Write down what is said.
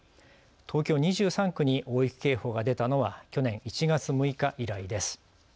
東京２３区に大雪警報が出たのは去年１月６日以来です。